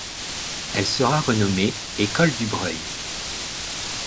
Elle sera renommée École Du Breuil.